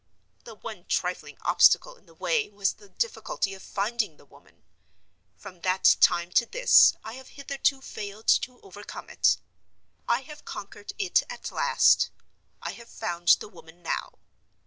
The one trifling obstacle in the way was the difficulty of finding the woman. From that time to this, I have hitherto failed to overcome it. I have conquered it at last; I have found the woman now.